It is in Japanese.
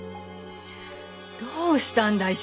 どうしたんだい！？